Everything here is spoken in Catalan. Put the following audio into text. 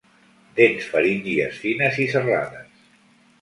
Dents faríngies fines i serrades.